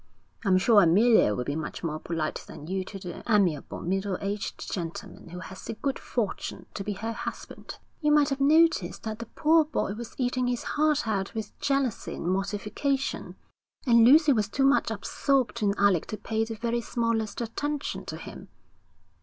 'I'm sure Amelia will be much more polite than you to the amiable, middle aged gentleman who has the good fortune to be her husband.' 'You might have noticed that the poor boy was eating his heart out with jealousy and mortification, and Lucy was too much absorbed in Alec to pay the very smallest attention to him.'